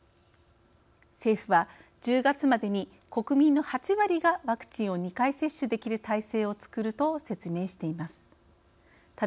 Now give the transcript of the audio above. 政府は１０月までに国民の８割がワクチンを２回接種できる体制を作ると説明しています。